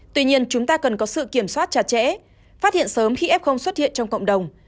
tuy nhiên chúng ta cần có sự kiểm soát chặt chẽ phát hiện sớm khi f xuất hiện trong cộng đồng